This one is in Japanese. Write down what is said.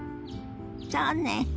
そうね。